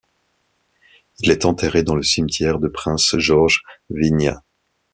Il est enterré dans le cimetière de Prince George Winyah.